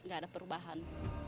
nggak ada perubahan